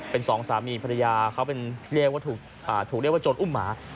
เป็นสองสามีภรรยาเขาถูกเรียกว่าจนอุ้มหมา